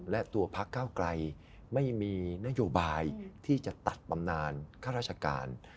และตัวพักเก้าไกลไม่มีนโยบายที่จะตัดบำนานข้าราชการ